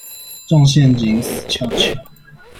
中陷阱死翹翹